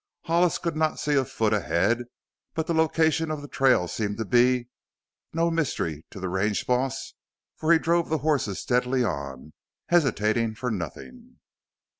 Hollis could not see a foot ahead, but the location of the trail seemed to be no mystery to the range boss, for he drove the horses steadily on, hesitating for nothing.